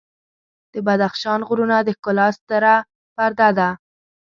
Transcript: د بدخشان غرونه د ښکلا ستره پرده ده.